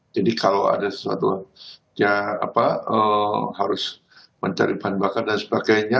jadi kalau ada sesuatu yang harus mencari bahan bakar dan sebagainya